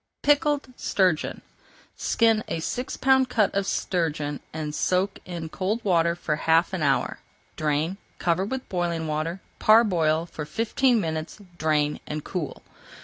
PICKLED STURGEON Skin a six pound cut of sturgeon and soak in cold water for half an hour. Drain, cover with boiling water, parboil for fifteen minutes, drain, and cool.